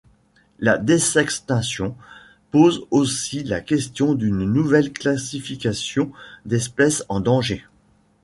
La désextinction pose aussi la question d’une nouvelle classification d’espèces en danger.